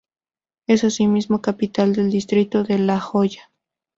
Es asimismo capital del distrito de La Joya.